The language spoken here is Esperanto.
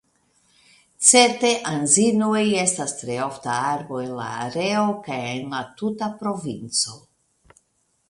Certe anzinoj estas tre ofta arbo en la areo kaj en la tuta provinco.